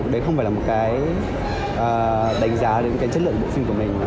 đấy không phải là một cái đánh giá đến cái chất lượng bộ phim của mình